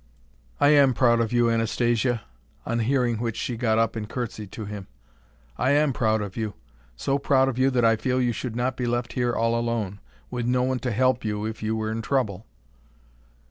"I am proud of you, Anastasia—" on hearing which she got up and courtesied to him. "I am proud of you; so proud of you that I feel you should not be left here all alone, with no one to help you if you were in trouble."